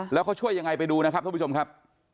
แล้วเขาช่วยยังไงไปดูนะครับท่านผู้ชมครับ